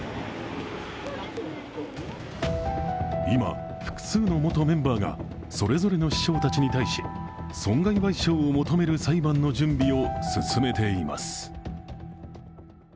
今、複数の元メンバーがそれぞれの師匠たちに対し損害賠償を求める裁判の準備を進めています。